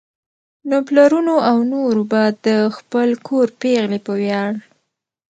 نو پلرونو او نورو به د خپل کور پېغلې په وياړ